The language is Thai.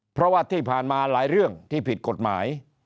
เพราะว่าที่ผ่านมาหลายเรื่องที่ผิดกฎหมาย